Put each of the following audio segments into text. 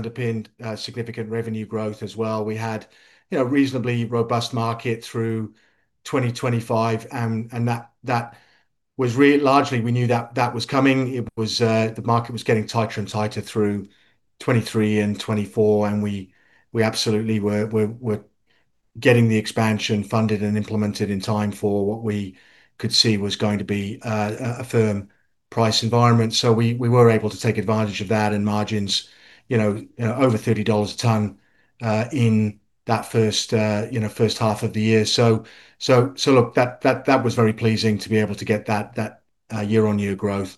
...underpinned significant revenue growth as well. We had, you know, reasonably robust market through 2025, and that was largely, we knew that that was coming. It was the market was getting tighter and tighter through 2023 and 2024, and we absolutely were getting the expansion funded and implemented in time for what we could see was going to be a firm price environment. We were able to take advantage of that, and margins, you know, over 30 dollars a ton in that first, you know, first half of the year. Look, that was very pleasing to be able to get that year-on-year growth.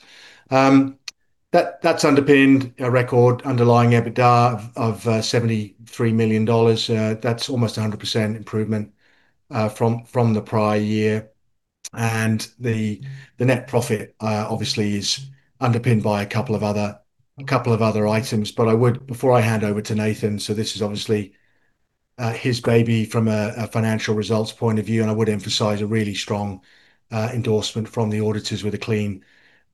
That's underpinned a record underlying EBITDA of 73 million dollars. That's almost 100% improvement from the prior year. The net profit obviously is underpinned by a couple of other items. Before I hand over to Nathan, so this is obviously his baby from a financial results point of view, and I would emphasize a really strong endorsement from the auditors with a clean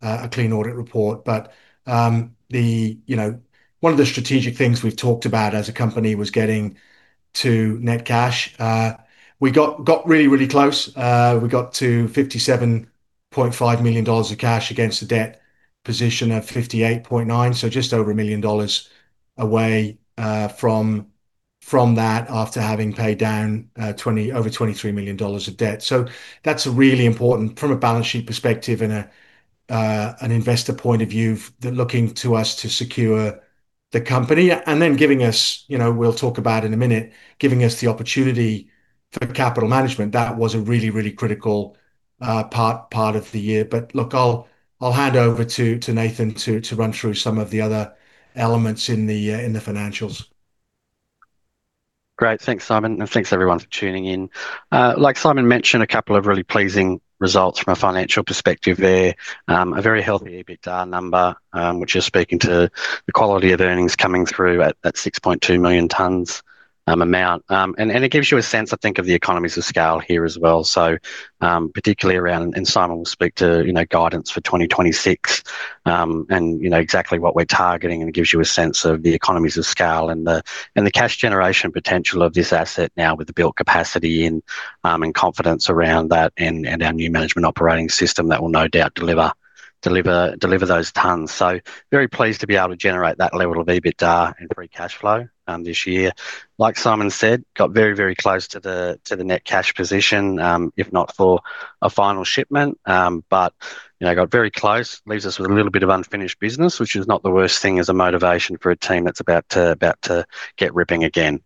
audit report. You know, one of the strategic things we've talked about as a company was getting to net cash. We got really, really close. We got to 57.5 million dollars of cash against the debt position of 58.9 million, so just over 1 million dollars away from that after having paid down over 23 million dollars of debt. That's really important from a balance sheet perspective and an investor point of view, that looking to us to secure the company. Giving us, you know, we'll talk about in a minute, giving us the opportunity for capital management. That was a really, really critical part of the year. I'll hand over to Nathan to run through some of the other elements in the financials. Great. Thanks, Simon, and thanks, everyone, for tuning in. Like Simon mentioned, a couple of really pleasing results from a financial perspective there. A very healthy EBITDA number, which is speaking to the quality of earnings coming through at that 6.2 million tonnes amount. It gives you a sense, I think, of the economies of scale here as well. Particularly around, and Simon will speak to, you know, guidance for 2026, and you know exactly what we're targeting, and it gives you a sense of the economies of scale and the cash generation potential of this asset now with the built capacity and confidence around that and our new management operating system that will no doubt deliver those tonnes. Very pleased to be able to generate that level of EBITDA and free cash flow this year. Like Simon said, got very close to the net cash position, if not for a final shipment. You know, got very close. Leaves us with a little bit of unfinished business, which is not the worst thing as a motivation for a team that's about to get ripping again.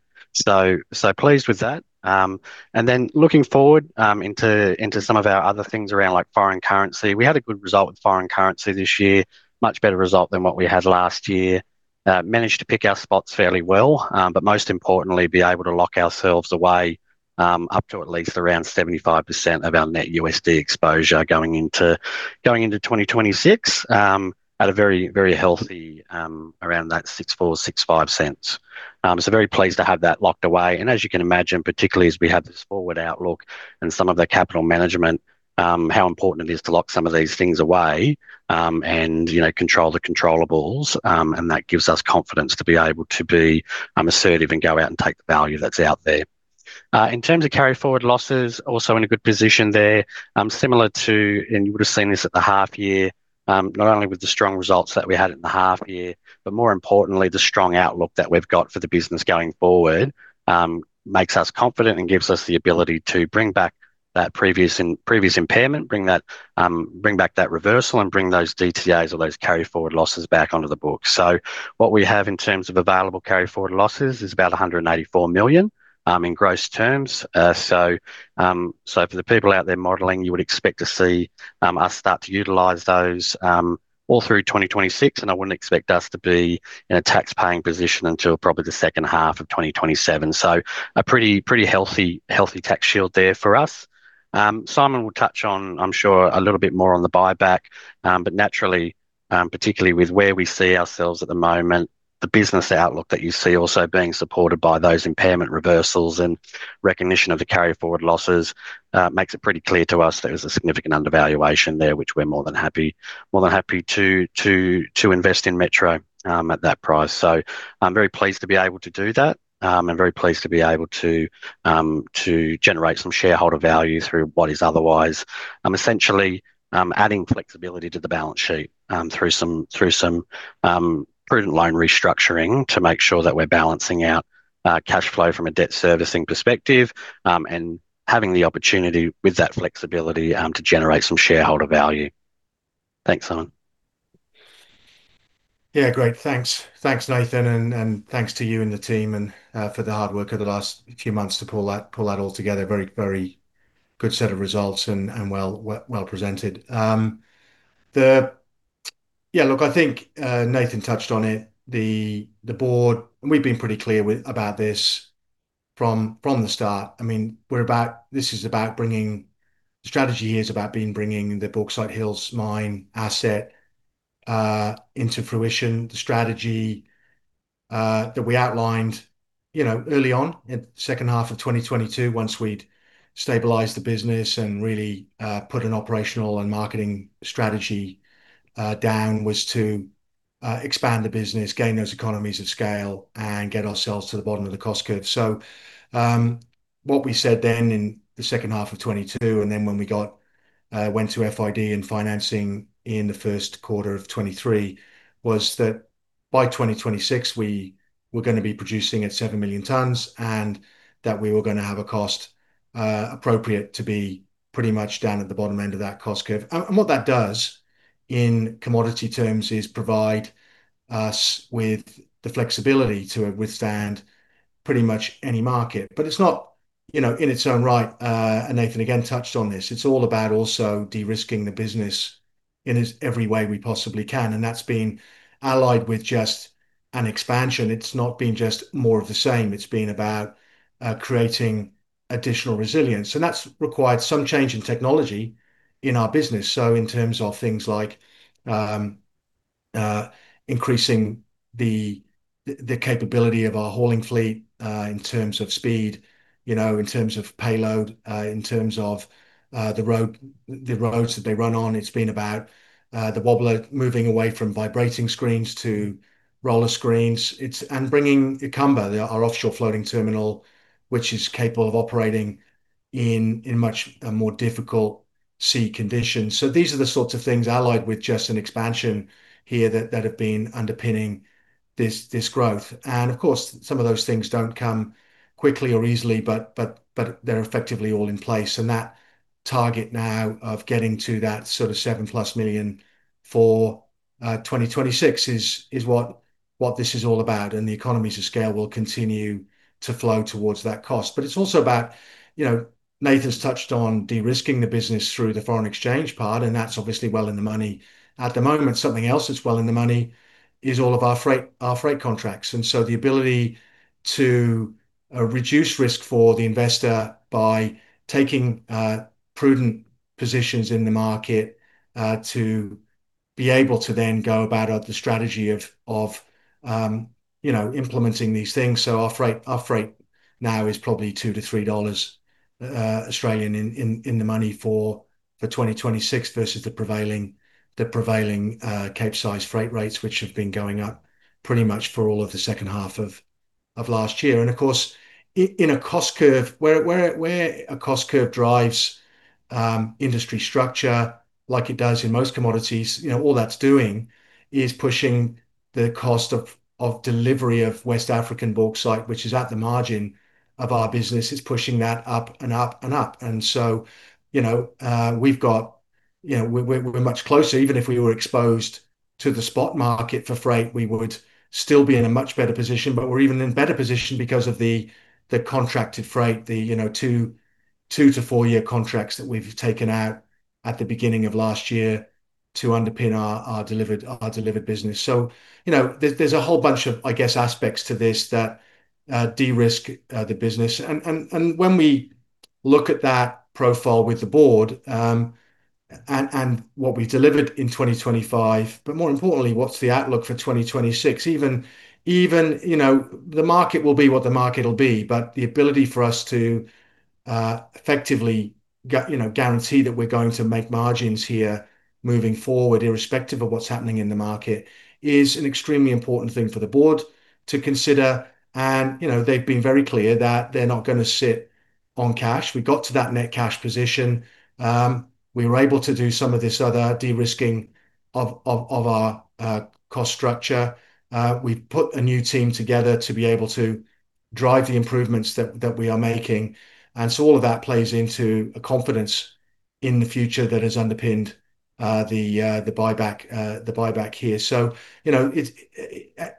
Pleased with that. Then looking forward into some of our other things around like foreign currency. We had a good result with foreign currency this year, much better result than what we had last year. Managed to pick our spots fairly well, but most importantly, be able to lock ourselves away up to at least around 75% of our net USD exposure going into 2026, at a very, very healthy, around that 0.64-0.65. Very pleased to have that locked away. As you can imagine, particularly as we have this forward outlook and some of the capital management, how important it is to lock some of these things away and, you know, control the controllables. That gives us confidence to be able to be assertive and go out and take the value that's out there. In terms of carry forward losses, also in a good position there, similar to, and you would have seen this at the half year, not only with the strong results that we had in the half year, but more importantly, the strong outlook that we've got for the business going forward, makes us confident and gives us the ability to bring back that previous impairment, bring back that reversal and bring those DTAs or those carry forward losses back onto the book. What we have in terms of available carry forward losses is about 184 million in gross terms. For the people out there modeling, you would expect to see us start to utilize those all through 2026, and I wouldn't expect us to be in a tax-paying position until probably the second half of 2027. A pretty healthy tax shield there for us. Simon will touch on, I'm sure, a little bit more on the buyback. But naturally, particularly with where we see ourselves at the moment, the business outlook that you see also being supported by those impairment reversals and recognition of the carry forward losses, makes it pretty clear to us there is a significant undervaluation there, which we're more than happy to invest in Metro at that price. I'm very pleased to be able to do that, and very pleased to be able to generate some shareholder value through what is otherwise, essentially, adding flexibility to the balance sheet, through some prudent loan restructuring, to make sure that we're balancing out cash flow from a debt servicing perspective, and having the opportunity with that flexibility to generate some shareholder value. Thanks, Simon. Yeah, great. Thanks. Thanks, Nathan, and thanks to you and the team for the hard work over the last few months to pull that all together. Very, very good set of results and well presented. Yeah, look, I think Nathan touched on it. The board, and we've been pretty clear about this from the start. I mean, this is about bringing... The strategy here is about bringing the Bauxite Hills mine asset into fruition. The strategy that we outlined... you know, early on in the second half of 2022, once we'd stabilized the business and really, put an operational and marketing strategy down, was to expand the business, gain those economies of scale, and get ourselves to the bottom of the cost curve. What we said then in the second half of 2022, then when we went to FID and financing in the first quarter of 2023, was that by 2026 we were gonna be producing at 7 million tonnes, and that we were gonna have a cost appropriate to be pretty much down at the bottom end of that cost curve. What that does in commodity terms is provide us with the flexibility to withstand pretty much any market. It's not, you know, in its own right, Nathan again touched on this, it's all about also de-risking the business in as every way we possibly can, that's been allied with just an expansion. It's not been just more of the same, it's been about creating additional resilience. That's required some change in technology in our business, so in terms of things like increasing the capability of our hauling fleet, in terms of speed, you know, in terms of payload, in terms of the road, the roads that they run on. It's been about the wobbler moving away from vibrating screens to roller screens. Bringing Ucumbe, our offshore floating terminal, which is capable of operating in much more difficult sea conditions. These are the sorts of things allied with just an expansion here that have been underpinning this growth. Of course, some of those things don't come quickly or easily, but they're effectively all in place. That target now of getting to that sort of 7+ million for 2026 is what this is all about, and the economies of scale will continue to flow towards that cost. It's also about, you know, Nathan's touched on de-risking the business through the foreign exchange part, and that's obviously well in the money. At the moment, something else that's well in the money is all of our freight, our freight contracts. The ability to reduce risk for the investor by taking prudent positions in the market to be able to then go about the strategy of, you know, implementing these things. Our freight now is probably 2-3 dollars in the money for 2026 versus the prevailing Capesize freight rates, which have been going up pretty much for all of the second half of last year. Of course, in a cost curve, where a cost curve drives industry structure, like it does in most commodities, you know, all that's doing is pushing the cost of delivery of West African bauxite, which is at the margin of our business, it's pushing that up, and up, and up. You know, we're much closer. Even if we were exposed to the spot market for freight, we would still be in a much better position. We're even in better position because of the contracted freight, the, you know, two- to four-year contracts that we've taken out at the beginning of last year to underpin our delivered business. You know, there's a whole bunch of, I guess, aspects to this that de-risk the business. When we look at that profile with the board, and what we delivered in 2025, more importantly, what's the outlook for 2026? Even, you know, the market will be what the market will be, but the ability for us to effectively, you know, guarantee that we're going to make margins here moving forward, irrespective of what's happening in the market, is an extremely important thing for the board to consider. You know, they've been very clear that they're not gonna sit on cash. We got to that net cash position. We were able to do some of this other de-risking of our cost structure. We've put a new team together to be able to drive the improvements that we are making. All of that plays into a confidence in the future that has underpinned the buyback, the buyback here. You know, it.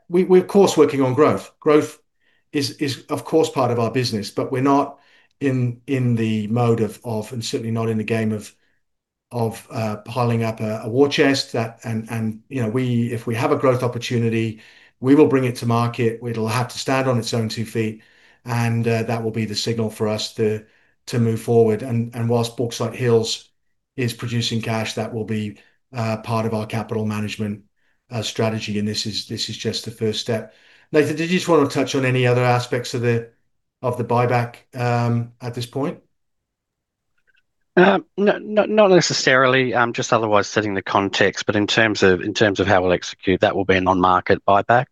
We're of course working on growth. Growth is of course part of our business, but we're not in the mode of, and certainly not in the game of piling up a war chest that. You know, we, if we have a growth opportunity, we will bring it to market. It'll have to stand on its own two feet, and that will be the signal for us to move forward. Whilst Bauxite Hills is producing cash, that will be part of our capital management strategy, and this is just the first step. Nathan, did you just want to touch on any other aspects of the buyback at this point? Not necessarily, just otherwise setting the context. In terms of how we'll execute, that will be a non-market buyback,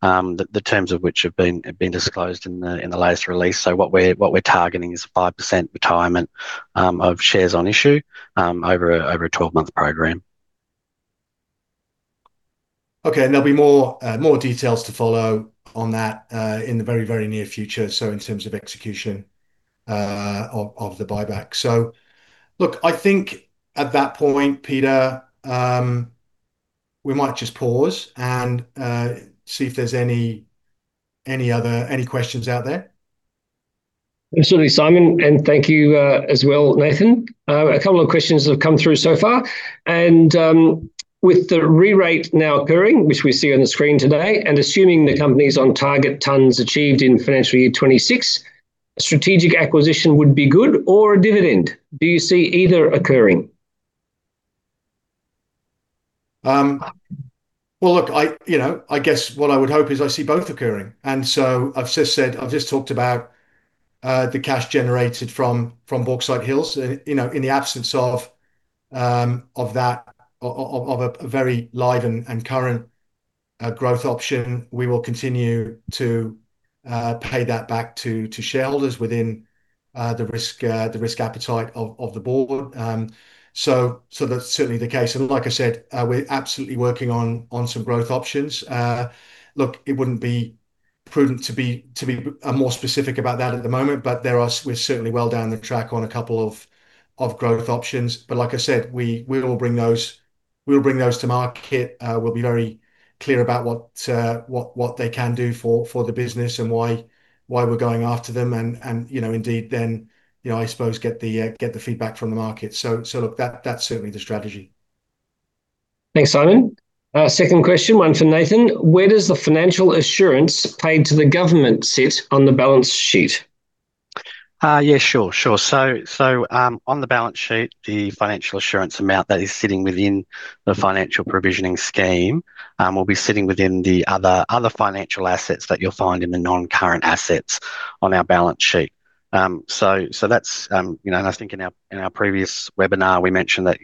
the terms of which have been disclosed in the latest release. What we're targeting is a 5% retirement of shares on issue over a 12-month program. There'll be more, more details to follow on that in the very, very near future, in terms of execution, of the buyback. Look, I think at that point, Peter, we might just pause and see if there's any other questions out there. Absolutely, Simon, thank you, as well, Nathan. A couple of questions have come through so far. With the re-rate now occurring, which we see on the screen today, and assuming the company's on-target tons achieved in financial year 2026, strategic acquisition would be good or a dividend. Do you see either occurring? Well, look, I, you know, I guess what I would hope is I see both occurring. I've just said, I've just talked about the cash generated from Bauxite Hills. You know, in the absence of that, of a very live and current growth option, we will continue to pay that back to shareholders within the risk appetite of the board. So that's certainly the case, and like I said, we're absolutely working on some growth options. Look, it wouldn't be prudent to be more specific about that at the moment, but we're certainly well down the track on a couple of growth options. Like I said, we'll bring those, we'll bring those to market. We'll be very clear about what they can do for the business and why we're going after them and, you know, indeed, then, you know, I suppose get the feedback from the market. Look, that's certainly the strategy. Thanks, Simon. Second question, one for Nathan. Where does the financial assurance paid to the government sit on the balance sheet? Yeah, sure. On the balance sheet, the financial assurance amount that is sitting within the financial provisioning scheme, will be sitting within the other financial assets that you'll find in the non-current assets on our balance sheet. That's, you know, and I think in our previous webinar, we mentioned that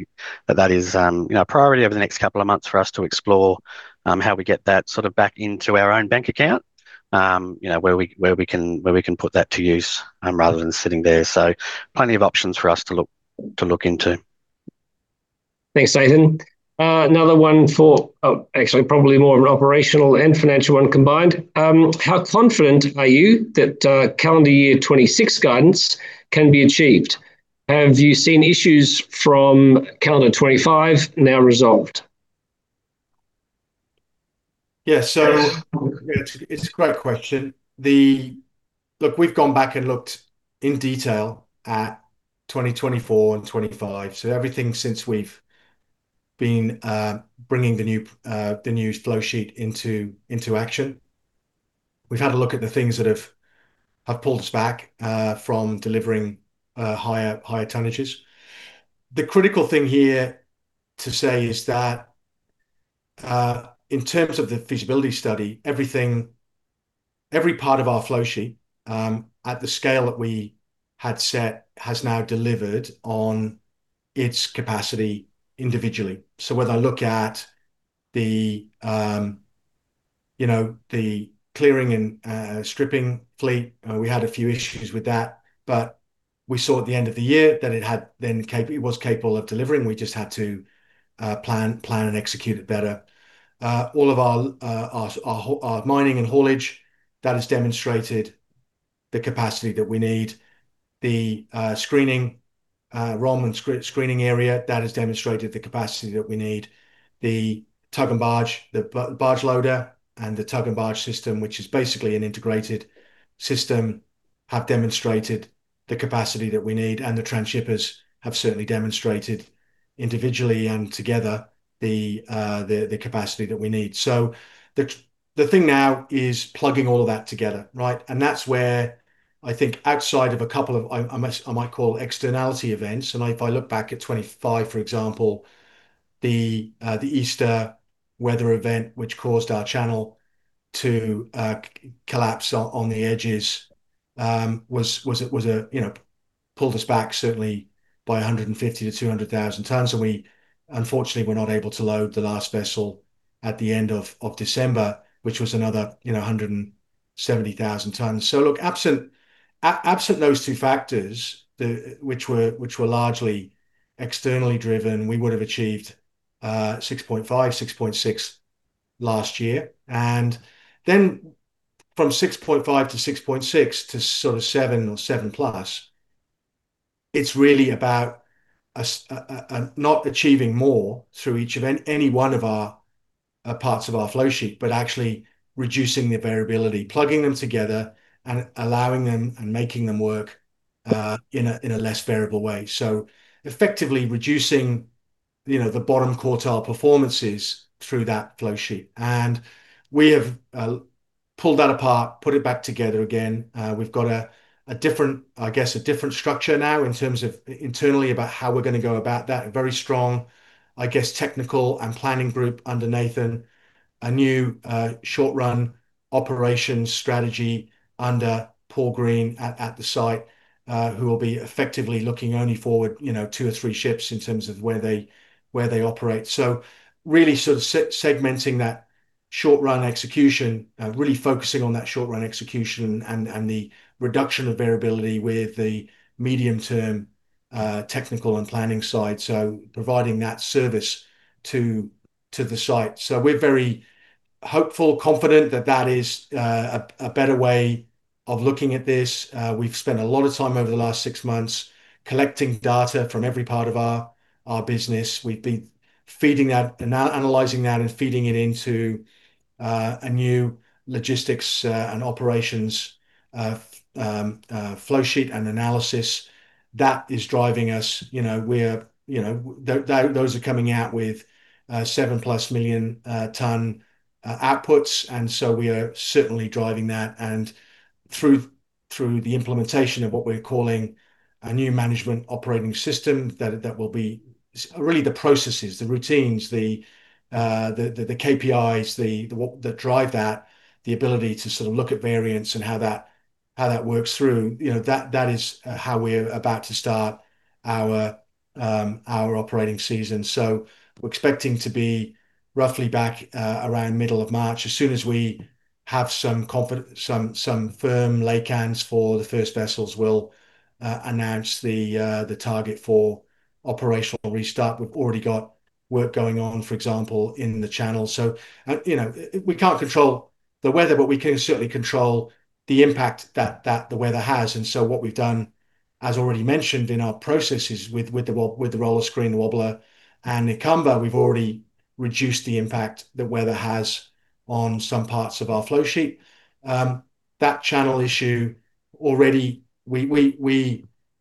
that is, you know, a priority over the next couple of months for us to explore, how we get that sort of back into our own bank account, you know, where we can put that to use, rather than sitting there. Plenty of options for us to look into. Thanks, Nathan. Actually, probably more of an operational and financial one combined. How confident are you that calendar year 2026 guidance can be achieved? Have you seen issues from calendar 2025 now resolved? It's a great question. Look, we've gone back and looked in detail at 2024 and 2025, so everything since we've been bringing the new, the new flow sheet into action. We've had a look at the things that have pulled us back from delivering higher tonnages. The critical thing here to say is that in terms of the feasibility study, everything, every part of our flow sheet, at the scale that we had set, has now delivered on its capacity individually. Whether I look at, you know, the clearing and stripping fleet, we had a few issues with that, but we saw at the end of the year that it was capable of delivering. We just had to plan and execute it better. All of our mining and haulage, that has demonstrated the capacity that we need. The screening, ROM and screening area, that has demonstrated the capacity that we need. The tug and barge, the barge loader and the tug and barge system, which is basically an integrated system, have demonstrated the capacity that we need, and the transhippers have certainly demonstrated individually and together, the capacity that we need. The thing now is plugging all of that together, right? That's where I think outside of a couple of, I might call externality events, if I look back at 2025, for example, the Easter weather event, which caused our channel to collapse on the edges, was a, you know, pulled us back certainly by 150,000-200,000 tons, and we unfortunately were not able to load the last vessel at the end of December, which was another, you know, 170,000 tons. Look, absent those two factors, the, which were largely externally driven, we would have achieved 6.5, 6.6 last year. From 6.5-6.6 to sort of seven or seven plus, it's really about a not achieving more through each event, any one of our parts of our flow sheet, but actually reducing the variability, plugging them together, and allowing them and making them work in a less variable way. Effectively reducing, you know, the bottom quartile performances through that flow sheet. We have pulled that apart, put it back together again. We've got a different, I guess, a different structure now in terms of internally about how we're gonna go about that. A very strong, I guess, technical and planning group under Nathan. A new short run operations strategy under Paul Green at the site, who will be effectively looking only forward, you know, two or three ships in terms of where they operate. Really sort of segmenting that short run execution, really focusing on that short run execution and the reduction of variability with the medium term technical and planning side, so providing that service to the site. We're very hopeful, confident that that is a better way of looking at this. We've spent a lot of time over the last six months collecting data from every part of our business. We've been feeding that and analyzing that and feeding it into a new logistics and operations flow sheet and analysis. That is driving us, you know, you know. Those are coming out with 7+ million-ton outputs, and so we are certainly driving that. Through the implementation of what we're calling a new management operating system, that will be really the processes, the routines, the KPIs, the, what, that drive that, the ability to sort of look at variance and how that works through. You know, that is how we're about to start our operating season. We're expecting to be roughly back around middle of March. As soon as we have some firm laycans for the first vessels, we'll announce the target for operational restart. We've already got work going on, for example, in the channel. You know, we can't control the weather, but we can certainly control the impact that the weather has. What we've done, as already mentioned in our processes with the roller screen, the wobbler, and the Ucumbe, we've already reduced the impact the weather has on some parts of our flow sheet. That channel issue already, we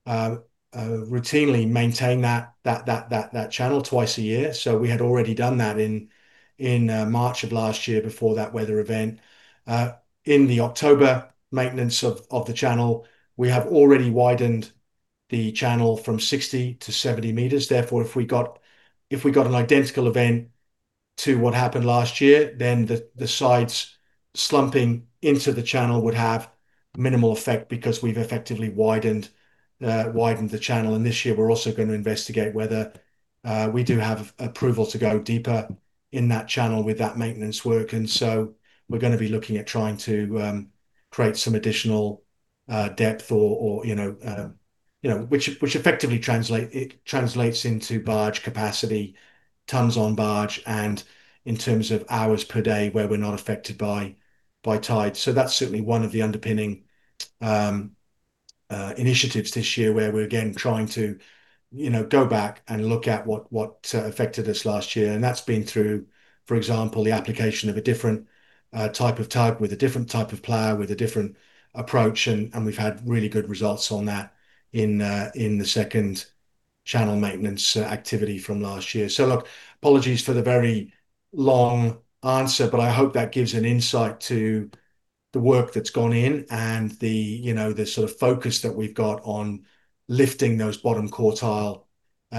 routinely maintain that channel twice a year. We had already done that in March of last year before that weather event. In the October maintenance of the channel, we have already widened the channel from 60-70 meters. If we got an identical event to what happened last year, then the sides slumping into the channel would have minimal effect because we've effectively widened the channel. This year we're also going to investigate whether we do have approval to go deeper in that channel with that maintenance work. We're gonna be looking at trying to create some additional depth or, you know, which effectively translates into barge capacity, tons on barge, and in terms of hours per day, where we're not affected by tide. That's certainly one of the underpinning initiatives this year, where we're again trying to, you know, go back and look at what affected us last year. That's been through, for example, the application of a different type of tug, with a different type of plow, with a different approach, and we've had really good results on that in the second channel maintenance activity from last year. Look, apologies for the very long answer, but I hope that gives an insight to the work that's gone in and the, you know, the sort of focus that we've got on lifting those bottom quartile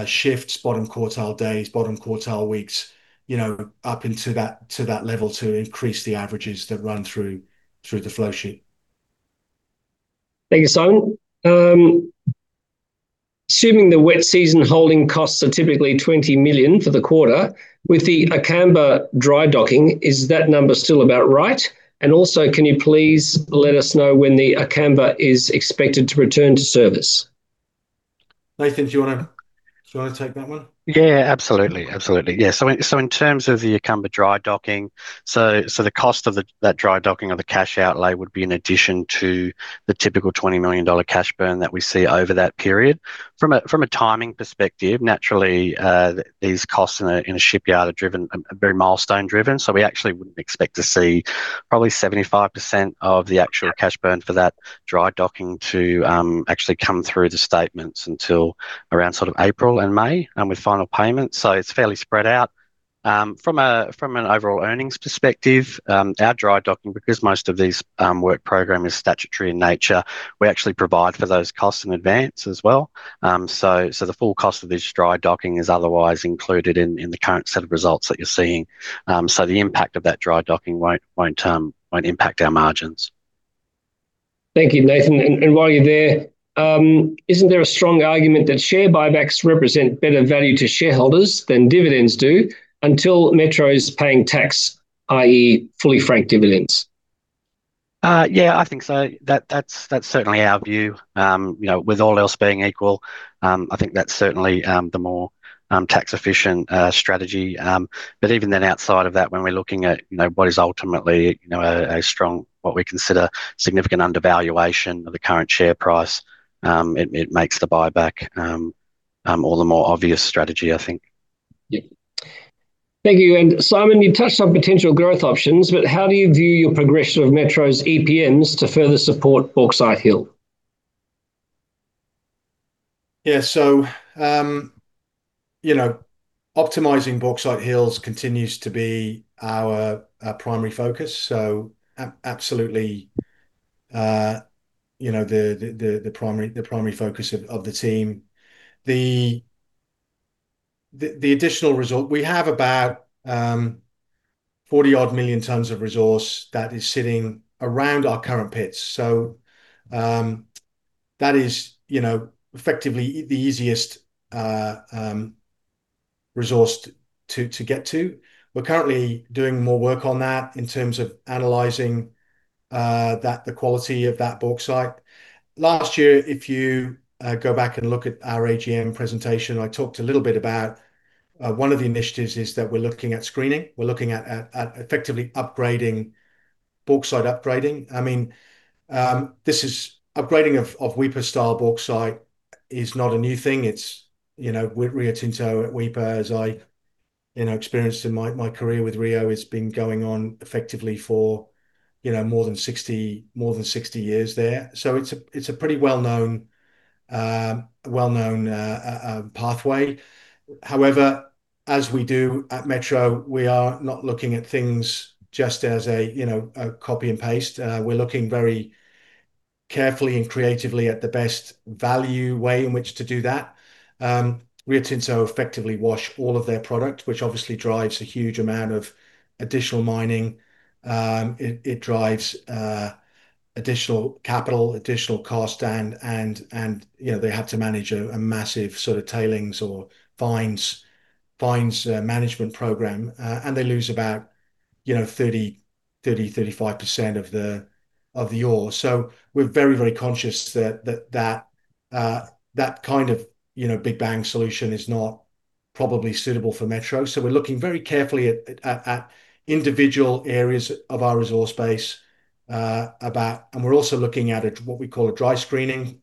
shifts, bottom quartile days, bottom quartile weeks, you know, up into that, to that level to increase the averages that run through the flow sheet. Thank you, Simon. Assuming the wet season holding costs are typically 20 million for the quarter, with the Acamba dry docking, is that number still about right? Can you please let us know when the Acamba is expected to return to service? Nathan, do you want to... Shall I take that one? Absolutely. Absolutely. In terms of the Acamba dry docking, the cost of that dry docking or the cash outlay would be in addition to the typical 20 million dollar cash burn that we see over that period. From a timing perspective, naturally, these costs in a shipyard are very milestone driven. We actually wouldn't expect to see probably 75% of the actual cash burn for that dry docking to actually come through the statements until around sort of April and May with final payment. It's fairly spread out. From an overall earnings perspective, our dry docking, because most of these work program is statutory in nature, we actually provide for those costs in advance as well. The full cost of this dry docking is otherwise included in the current set of results that you're seeing. The impact of that dry docking won't impact our margins. Thank you, Nathan. While you're there, isn't there a strong argument that share buybacks represent better value to shareholders than dividends do, until Metro's paying tax, i.e., fully franked dividends? Yeah, I think so. That's certainly our view. You know, with all else being equal, I think that's certainly the more tax-efficient strategy. Even then outside of that, when we're looking at, you know, what is ultimately, you know, a strong, what we consider significant undervaluation of the current share price, it makes the buyback all the more obvious strategy, I think. Thank you. Simon, you touched on potential growth options, but how do you view your progression of Metro's EPMs to further support Bauxite Hills? Yeah, you know, optimizing Bauxite Hills continues to be our primary focus, absolutely, you know, the primary focus of the team. We have about 40-odd million tonnes of resource that is sitting around our current pits. That is, you know, effectively the easiest resource to get to. We're currently doing more work on that in terms of analyzing the quality of that bauxite. Last year, if you go back and look at our AGM presentation, I talked a little bit about one of the initiatives is that we're looking at screening. We're looking at effectively upgrading, bauxite upgrading. I mean, upgrading of Weipa-style bauxite is not a new thing. It's, you know, with Rio Tinto at Weipa, as I, you know, experienced in my career with Rio, it's been going on effectively for, you know, more than 60 years there. It's a pretty well-known pathway. As we do at Metro, we are not looking at things just as a, you know, a copy and paste. We're looking very carefully and creatively at the best value way in which to do that. Rio Tinto effectively wash all of their product, which obviously drives a huge amount of additional mining. It drives additional capital, additional cost, and, you know, they have to manage a massive sort of tailings or fines management program. They lose about, you know, 30-35% of the ore. We're very conscious that kind of, you know, big bang solution is not probably suitable for Metro. We're looking very carefully at individual areas of our resource base. We're also looking at a, what we call a dry screening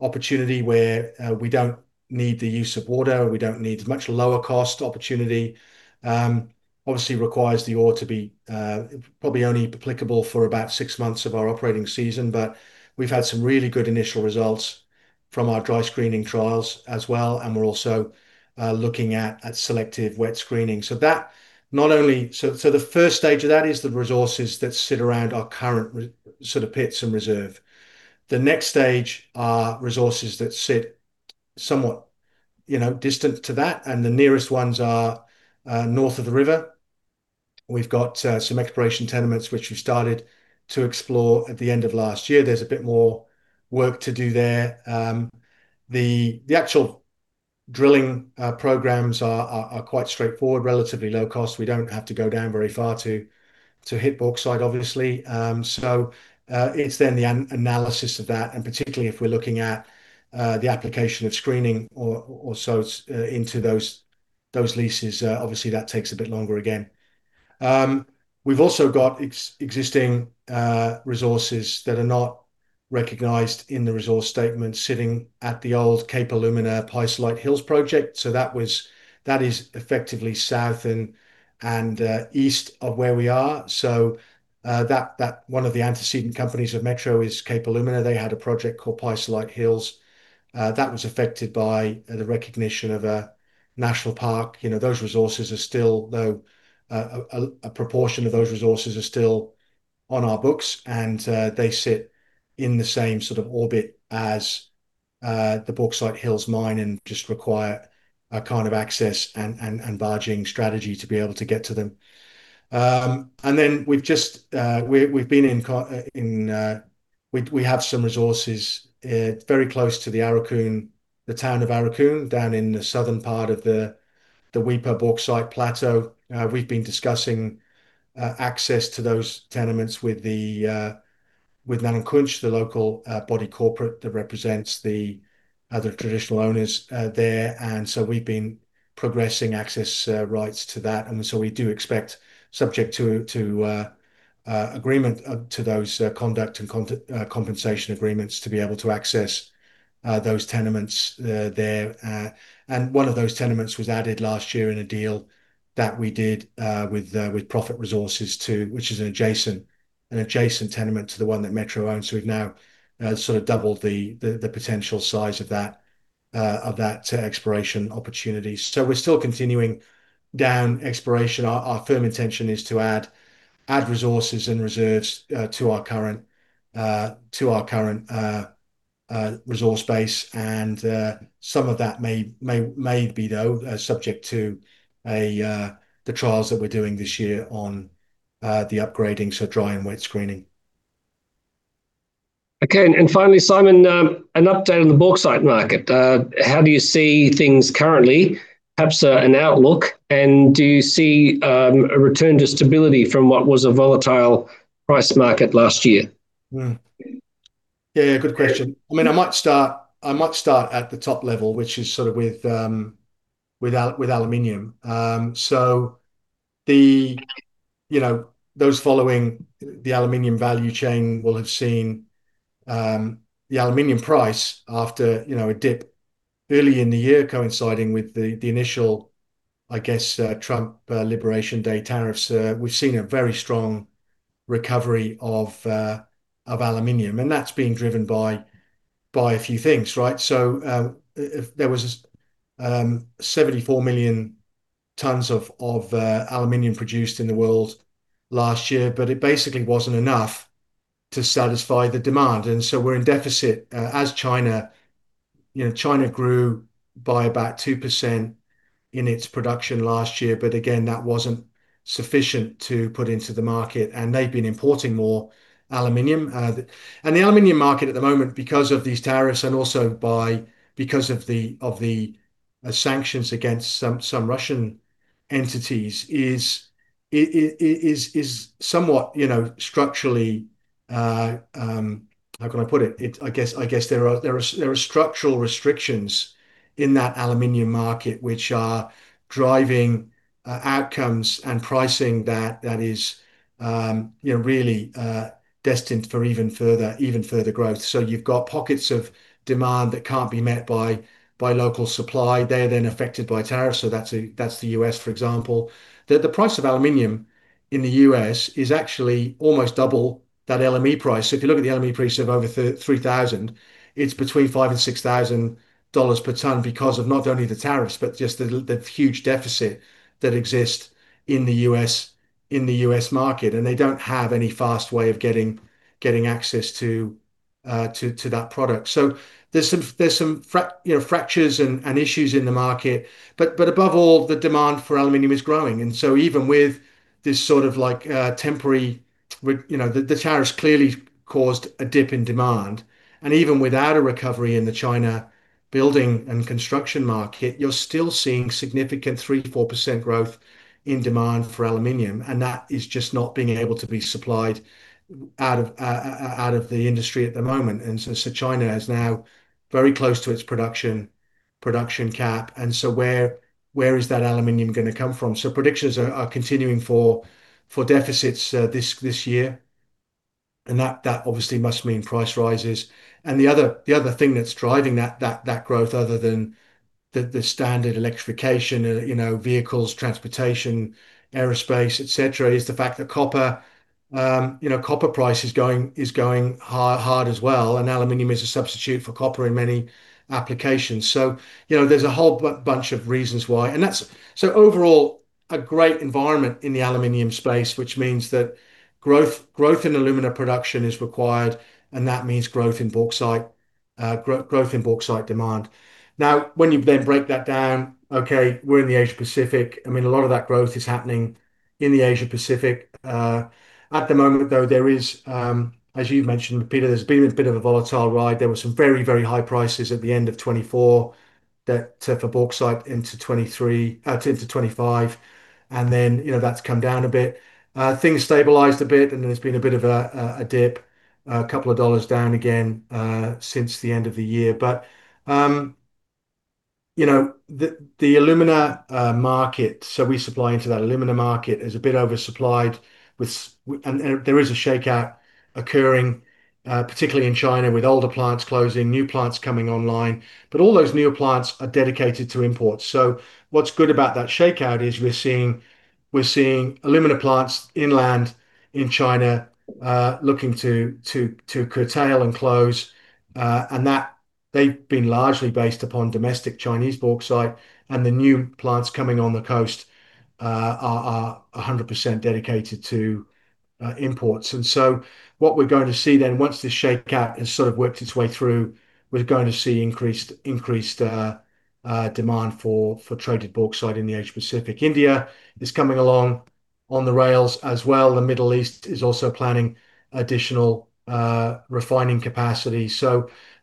opportunity, where we don't need the use of water, we don't need much lower cost opportunity. Obviously requires the ore to be probably only applicable for about 6 months of our operating season, but we've had some really good initial results from our dry screening trials as well, and we're also looking at selective wet screening. The first stage of that is the resources that sit around our current pits and reserve. The next stage are resources that sit somewhat, you know, distant to that. The nearest ones are north of the river. We've got some exploration tenements which we've started to explore at the end of last year. There's a bit more work to do there. The actual drilling programs are quite straightforward, relatively low cost. We don't have to go down very far to hit bauxite, obviously. It's then the analysis of that, particularly if we're looking at the application of screening or so into those leases, obviously, that takes a bit longer again. We've also got existing resources that are not recognized in the resource statement sitting at the old Cape Alumina Pisolite Hills project. That was... That is effectively south and east of where we are. One of the antecedent companies of Metro is Cape Alumina. They had a project called Pisolite Hills that was affected by the recognition of a national park. You know, those resources are still, though, a proportion of those resources are still on our books, and they sit in the same sort of orbit as the Bauxite Hills Mine and just require a kind of access and barging strategy to be able to get to them. We have some resources very close to the Aurukun, the town of Aurukun, down in the southern part of the Weipa Bauxite Plateau. We've been discussing access to those tenements with the with Napranum, the local body corporate that represents the other traditional owners there. We've been progressing access rights to that, we do expect, subject to agreement to those conduct and compensation agreements, to be able to access those tenements there. One of those tenements was added last year in a deal that we did with Profit Resources too, which is an adjacent tenement to the one that Metro owns. We've now sort of doubled the potential size of that exploration opportunity. We're still continuing down exploration. Our firm intention is to add resources and reserves to our current resource base, and some of that may be, though, subject to the trials that we're doing this year on the upgrading, so dry and wet screening. Finally, Simon, an update on the bauxite market. How do you see things currently? Perhaps, an outlook, and do you see a return to stability from what was a volatile price market last year? Yeah, yeah, good question. I mean, I might start, I might start at the top level, which is sort of with aluminium. The, you know, those following the aluminium value chain will have seen the aluminium price after, you know, a dip early in the year, coinciding with the initial, I guess, Trump Liberation Day tariffs. We've seen a very strong recovery of aluminium, and that's been driven by a few things, right? There was 74 million tons of aluminium produced in the world last year, but it basically wasn't enough to satisfy the demand, and so we're in deficit, as China... You know, China grew by about 2% in its production last year. Again, that wasn't sufficient to put into the market, and they've been importing more aluminium. The aluminium market at the moment, because of these tariffs, and also because of the sanctions against some Russian entities, is somewhat, you know, structurally. How can I put it? I guess there are structural restrictions in that aluminium market, which are driving outcomes and pricing that is, you know, really destined for even further growth. You've got pockets of demand that can't be met by local supply. They're then affected by tariffs, so that's the U.S., for example. The price of aluminium in the U.S. is actually almost double that LME price. If you look at the LME price of over $3,000, it's between $5,000-$6,000 per tonne because of not only the tariffs, but just the huge deficit that exists in the U.S. market, and they don't have any fast way of getting access to that product. There's some you know, fractures and issues in the market. Above all, the demand for aluminium is growing, and so even with this sort of like, temporary you know, the tariffs clearly caused a dip in demand. Even without a recovery in the China building and construction market, you're still seeing significant 3%-4% growth in demand for aluminium, and that is just not being able to be supplied out of the industry at the moment. China is now very close to its production cap, where is that aluminium gonna come from? Predictions are continuing for deficits this year, that obviously must mean price rises. The other thing that's driving that growth, other than the standard electrification, you know, vehicles, transportation, aerospace, et cetera, is the fact that copper, you know, copper price is going hard as well, and aluminium is a substitute for copper in many applications. You know, there's a whole bunch of reasons why, and that's. Overall, a great environment in the aluminium space, which means that growth in alumina production is required, and that means growth in bauxite demand. When you then break that down, okay, we're in the Asia-Pacific. I mean, a lot of that growth is happening in the Asia-Pacific. At the moment, though, there is, as you've mentioned, Peter, there's been a bit of a volatile ride. There were some very high prices at the end of 2024 that, for bauxite into 2023, into 2025, and then, you know, that's come down a bit. Things stabilized a bit, and there's been a bit of a dip, a couple of dollars down again, since the end of the year. You know, the alumina market, so we supply into that alumina market, is a bit oversupplied with. And there is a shakeout occurring, particularly in China, with older plants closing, new plants coming online, but all those new plants are dedicated to imports. What's good about that shakeout is we're seeing alumina plants inland in China looking to curtail and close, and that they've been largely based upon domestic Chinese bauxite, and the new plants coming on the coast are a hundred percent dedicated to imports. What we're going to see then, once this shakeout has sort of worked its way through, we're going to see increased demand for traded bauxite in the Asia-Pacific. India is coming along on the rails as well. The Middle East is also planning additional refining capacity.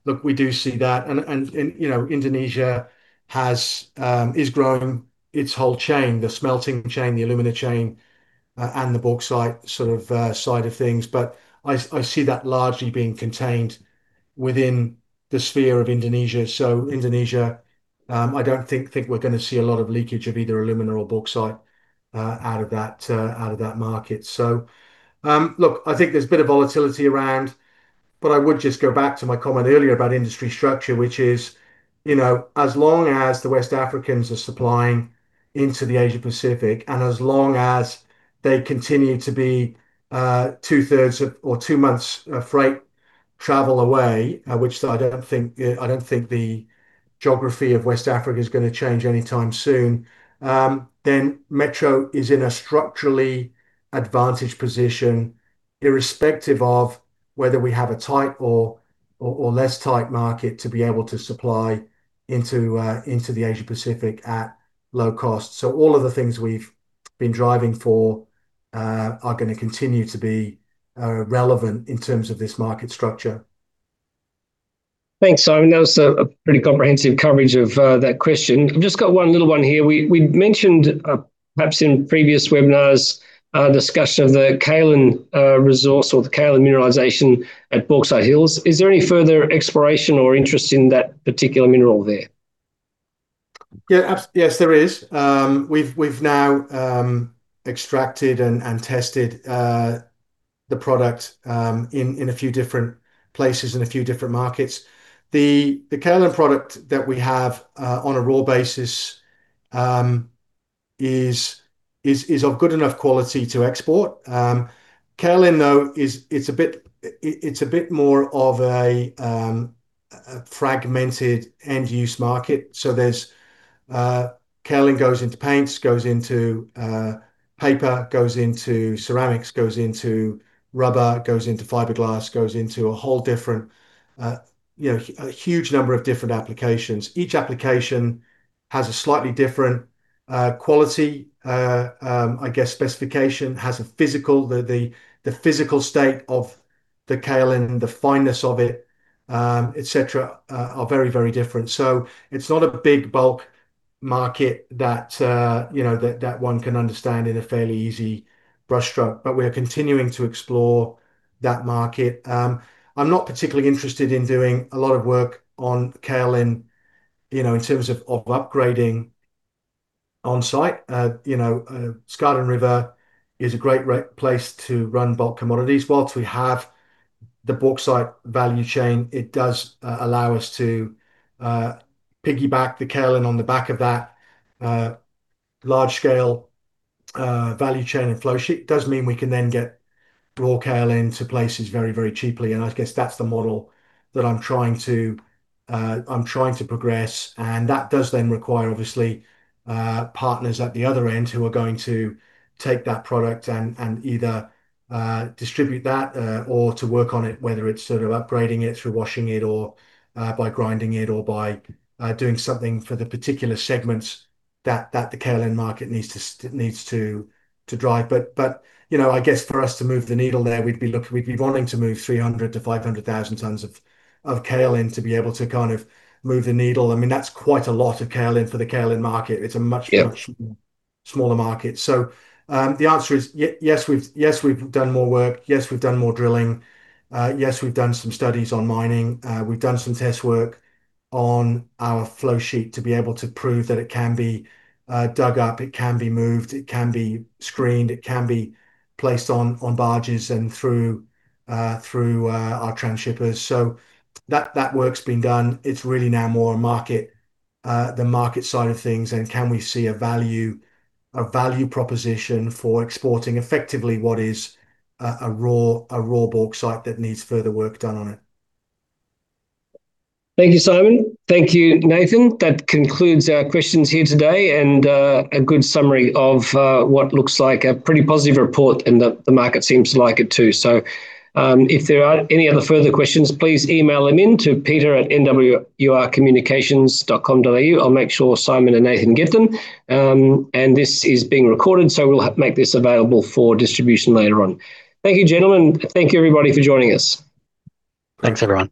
Look, we do see that, and you know, Indonesia has is growing its whole chain, the smelting chain, the alumina chain, and the bauxite sort of side of things. I see that largely being contained within the sphere of Indonesia. Indonesia, I don't think we're gonna see a lot of leakage of either alumina or bauxite out of that out of that market. Look, I think there's a bit of volatility around, but I would just go back to my comment earlier about industry structure, which is, you know, as long as the West Africans are supplying into the Asia-Pacific, and as long as they continue to be two-thirds of or two months of freight travel away, which I don't think the geography of West Africa is gonna change anytime soon, then Metro is in a structurally advantaged position, irrespective of whether we have a tight or less tight market to be able to supply into the Asia-Pacific at low cost. All of the things we've been driving for are gonna continue to be relevant in terms of this market structure. Thanks, Simon. That was a pretty comprehensive coverage of that question. I've just got one little one here. We mentioned perhaps in previous webinars, discussion of the kaolin resource or the kaolin mineralization at Bauxite Hills. Is there any further exploration or interest in that particular mineral there? Yeah, yes, there is. We've now extracted and tested the product in a few different places, in a few different markets. The kaolin product that we have on a raw basis is of good enough quality to export. Kaolin, though, is, it's a bit, it's a bit more of a fragmented end-use market. There's kaolin goes into paints, goes into paper, goes into ceramics, goes into rubber, goes into fiberglass, goes into a whole different, you know, a huge number of different applications. Each application has a slightly different quality, I guess, specification, has a physical, the physical state of the kaolin and the fineness of it, et cetera, are very, very different. It's not a big bulk market that, you know, that one can understand in a fairly easy brushstroke, but we are continuing to explore that market. I'm not particularly interested in doing a lot of work on kaolin, you know, in terms of upgrading on-site. You know, Skardon River is a great place to run bulk commodities. Whilst we have the bauxite value chain, it does allow us to piggyback the kaolin on the back of that large-scale value chain and flow sheet. Does mean we can then get raw kaolin to places very cheaply, and I guess that's the model that I'm trying to progress. That does then require, obviously, partners at the other end who are going to take that product and either distribute that or to work on it, whether it's sort of upgrading it through washing it or by grinding it, or by doing something for the particular segments that the kaolin market needs to drive. You know, I guess for us to move the needle there, we'd be wanting to move 300,000-500,000 tonnes of kaolin to be able to kind of move the needle. I mean, that's quite a lot of kaolin for the kaolin market. Yeah. It's a much, much smaller market. The answer is yes, we've done more work. Yes, we've done more drilling. Yes, we've done some studies on mining. We've done some test work on our flow sheet to be able to prove that it can be dug up, it can be moved, it can be screened, it can be placed on barges and through our transhippers. That work's been done. It's really now more a market, the market side of things, and can we see a value proposition for exporting effectively what is a raw bauxite that needs further work done on it? Thank you, Simon. Thank you, Nathan. That concludes our questions here today, and a good summary of what looks like a pretty positive report, and the market seems to like it too. If there are any other further questions, please email them in to peter@nwrcommunications.com.au. I'll make sure Simon and Nathan get them. This is being recorded, so we'll make this available for distribution later on. Thank you, gentlemen. Thank you, everybody, for joining us. Thanks, everyone.